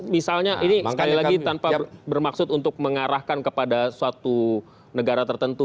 misalnya ini sekali lagi tanpa bermaksud untuk mengarahkan kepada suatu negara tertentu